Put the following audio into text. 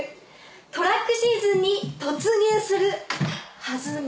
トラックシーズンに突入する、はずが」。